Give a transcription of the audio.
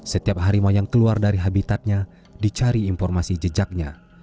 setiap harimau yang keluar dari habitatnya dicari informasi jejaknya